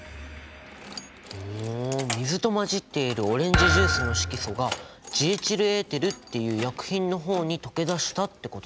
ほう水と混じっているオレンジジュースの色素がジエチルエーテルっていう薬品の方に溶け出したってことだよね。